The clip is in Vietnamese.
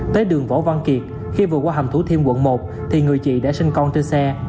thì người chị đã sinh con trên xe